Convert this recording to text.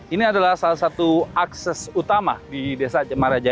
ini adalah salah satu akses utama di desa jemaraja